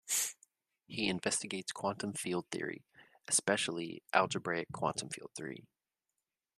He investigates quantum field theory, especially algebraic quantum field theory.